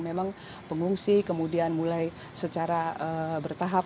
memang pengungsi kemudian mulai secara bertahap